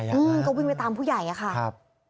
มันก็แบกขึ้นหลังแล้วก็เดินมา